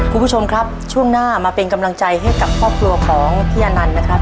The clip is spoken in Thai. คุณผู้ชมครับช่วงหน้ามาเป็นกำลังใจให้กับครอบครัวของพี่อนันต์นะครับ